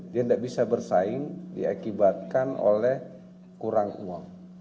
dia tidak bisa bersaing diakibatkan oleh kurang uang